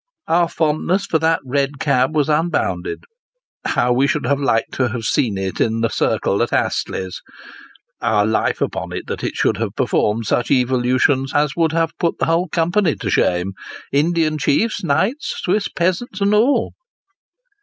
Our fondness for that red cab was unbounded. How we should have liked to have seen it in the circle at Astley's ! Our life upon it, that it should have performed such evolutions as would have put the whole company to shame Indian chiefs, knights, Swiss peasants, and all.